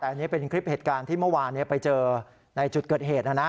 แต่อันนี้เป็นคลิปเหตุการณ์ที่เมื่อวานไปเจอในจุดเกิดเหตุนะ